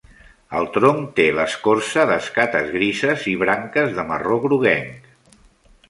El tronc té l'escorça d'escates grises i branques de marró groguenc.